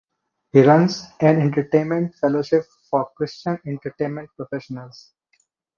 He runs an entertainment fellowship for Christian entertainment professionals.